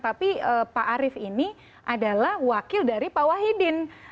tapi pak arief ini adalah wakil dari pak wahidin